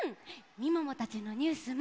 みももたちのニュースも。